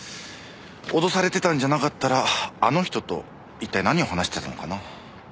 脅されてたんじゃなかったらあの人と一体何を話してたのかな？